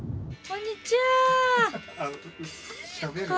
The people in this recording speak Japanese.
こんにちは。